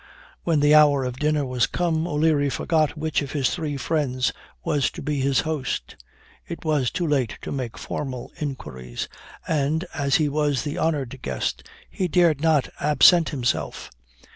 When the hour of dinner was come, O'Leary forgot which of his three friends was to be his host. It was too late to make formal inquiries; and, as he was the honored guest, he dared not absent himself.